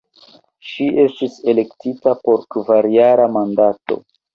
Ŝi estis elektita por kvarjara mandato.